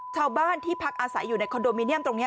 ชาวบ้านที่พักอาศัยอยู่ในคอนโดมิเนียมตรงนี้